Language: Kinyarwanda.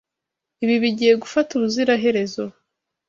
Ibi bigiye gufata ubuziraherezo.